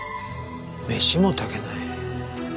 飯も炊けない？